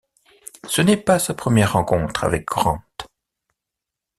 Ce n'est pas sa première rencontre avec Grant.